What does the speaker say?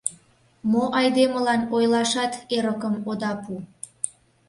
Мо айдемылан ойлашат эрыкым ода пу!..